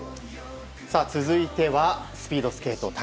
続いては、スピードスケート。